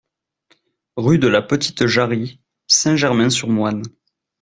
Rue de la Petite Jarrie, Saint-Germain-sur-Moine